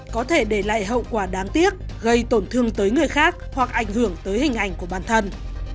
có thể để lại hậu quả đáng tiếc gây tổn thương tới người khác hoặc ảnh hưởng tới hình ảnh của bản thân